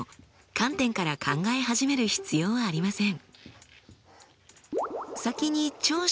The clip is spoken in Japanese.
観点から考え始める必要はありません。